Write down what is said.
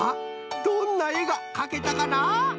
どんなえがかけたかな？